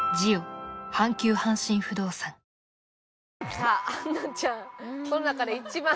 さあ杏奈ちゃんこの中で一番。